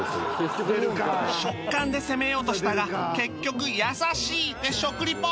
食感で攻めようとしたが結局「優しい」で食リポ